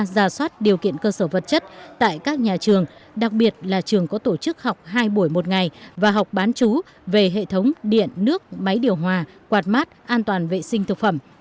giả soát điều kiện cơ sở vật chất tại các nhà trường đặc biệt là trường có tổ chức học hai buổi một ngày và học bán chú về hệ thống điện nước máy điều hòa quạt mát an toàn vệ sinh thực phẩm